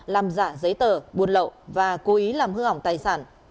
làm giả giấy tờ buôn lậu và cố ý làm hư hỏng tài sản